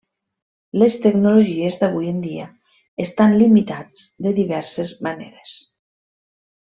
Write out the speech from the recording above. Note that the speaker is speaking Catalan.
Les tecnologies d'avui en dia estan limitats de diverses maneres.